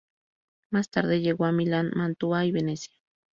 Más tarde llegó a Milán, Mantua y Venecia.